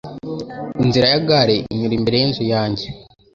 Inzira ya gare inyura imbere yinzu yanjye.